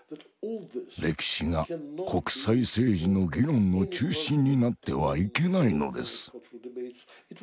歴史が国際政治の議論の中心になってはいけないのです。